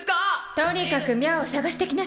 とにかくミャアを捜してきなさい。